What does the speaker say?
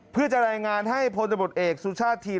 เพื่อจะรายงานให้พลตำรวจเอกสุชาติทีม